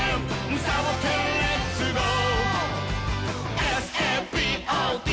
「サボテンレッツゴー！」